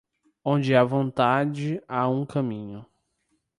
Onde há vontade, há um caminho.